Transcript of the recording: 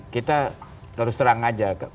kita terus terang aja